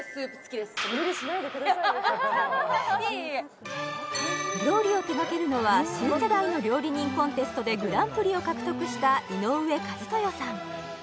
いえいえ料理を手がけるのは新世代の料理人コンテストでグランプリを獲得した井上和豊さん